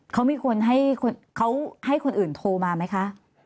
เขาให้คนอื่นโทรมาไหมคะ